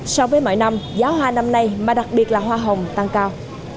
so với mọi năm giá hoa năm nay mà đặc biệt là hoa hồng tăng cao